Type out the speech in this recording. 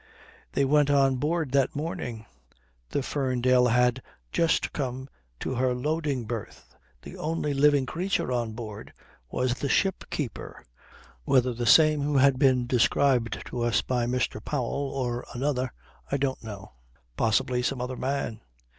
They went on board that morning. The Ferndale had just come to her loading berth. The only living creature on board was the ship keeper whether the same who had been described to us by Mr. Powell, or another, I don't know. Possibly some other man.